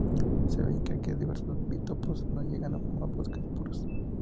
Si bien crece en diversos biotopos, no llega a formar bosques puros.